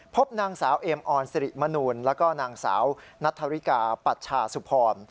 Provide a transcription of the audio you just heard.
พบนางสาวเอมออนสิริมนูลแล้วก็นางสาวนัทธริกาปัชชาสุพร